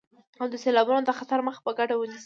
او د سيلابونو د خطر مخه په ګډه ونيسئ.